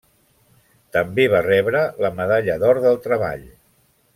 També va rebre la Medalla d'Or del Treball.